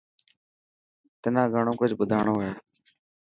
تنا گهڻيون ڪجهه مڍاڻو هي.